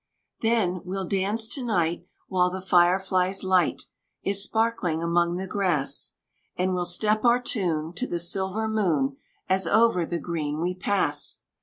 Then, we'll dance to night While the fire fly's light Is sparkling among the grass; And we'll step our tune To the silver moon, As over the green we pass.